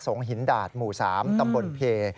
หินดาดหมู่๓ตำบลเพ